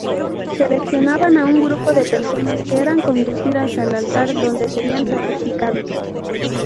Seleccionaban a un grupo de personas, que eran conducidas al altar, donde serían sacrificados.